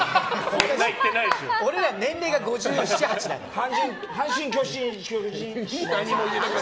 俺ら年齢が５７、８だから。